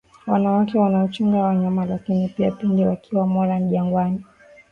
wanawake wanaochunga wanyama lakini pia pindi wakiwa moran jangwani